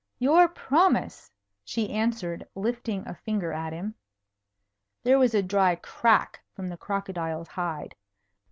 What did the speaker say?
"Your promise!" she answered, lifting a finger at him. There was a dry crack from the crocodile's hide.